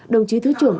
đồng chí thứ trưởng